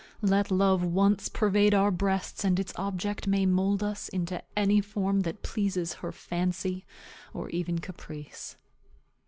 Let love once pervade our breasts, and its object may mould us into any form that pleases her fancy, or even caprice.